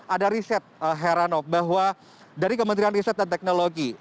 ada riset heranov bahwa dari kementerian riset dan teknologi